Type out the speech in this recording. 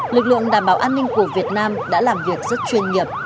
lực lượng đảm bảo an ninh của việt nam đã làm việc rất chuyên nghiệp